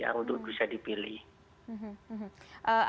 untuk bisa dipilih